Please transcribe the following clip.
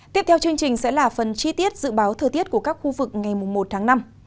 tiếp theo chương trình sẽ là phần chi tiết dự báo thời tiết của các khu vực ngày một tháng năm